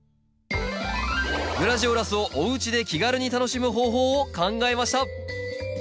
グラジオラスをおうちで気軽に楽しむ方法を考えました！